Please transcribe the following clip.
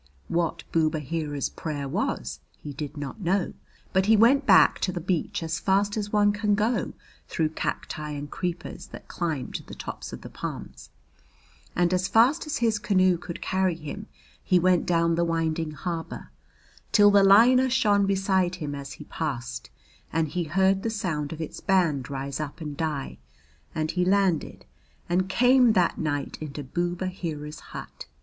What Boob Aheera's prayer was he did not know, but he went back to the beach as fast as one can go through cacti and creepers that climb to the tops of the palms; and as fast as his canoe could carry him he went down the winding harbour, till the liner shone beside him as he passed, and he heard the sound of its band rise up and die, and he landed and came that night into Boob Aheera's hut.